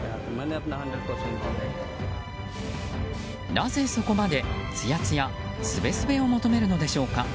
なぜそこまでつやつや、すべすべを求めるのでしょうか。